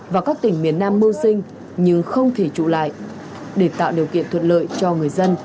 và các tỉnh miền nam mưu sinh nhưng không thể trụ lại để tạo điều kiện thuận lợi cho người dân